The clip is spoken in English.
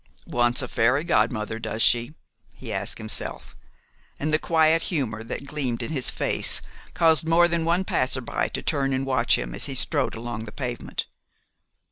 "Wants a fairy godmother, does she?" he asked himself, and the quiet humor that gleamed in his face caused more than one passerby to turn and watch him as he strode along the pavement.